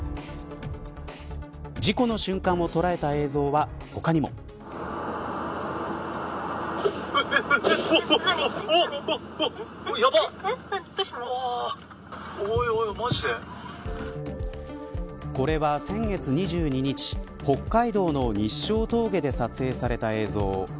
事故の瞬間を捉えた映像は他にも。これは先月２２日北海道の日勝峠で撮影された映像。